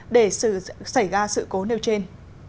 để xảy ra sự cố nêu trên